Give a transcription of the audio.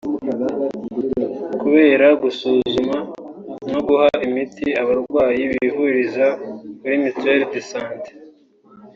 kubera gusuzuma no guha imiti abarwayi bivuriza kuri Mutuelle de Santé